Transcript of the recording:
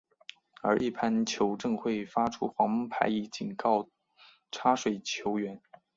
而一般球证会发出黄牌以作警告插水球员。